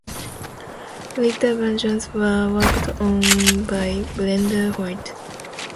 Later versions were worked on by Brenda White.